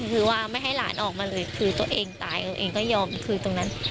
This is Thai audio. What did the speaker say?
คือว่าไม่ให้หลานออกมาเลยคือตัวเองตายเอาเองก็ยอมคืนตรงนั้น